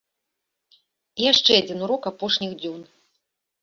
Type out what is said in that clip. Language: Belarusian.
І яшчэ адзін урок апошніх дзён.